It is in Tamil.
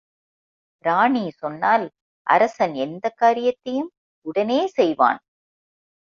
ராணி சொன்னால் அரசன் எந்தக்காரியத்தையும் உடனே செய்வான்.